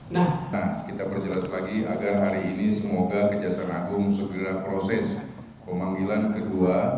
nah kita perjelas lagi agar hari ini semoga kejaksaan agung segera proses pemanggilan kedua